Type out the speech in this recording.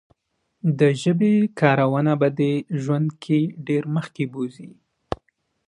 د ژبې سمه کارونه به دې ژوند کې ډېر مخکې بوزي.